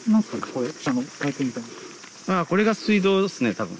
これが水道ですね多分。